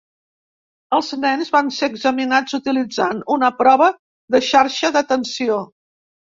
Els nens van ser examinats utilitzant una prova de xarxa d'atenció.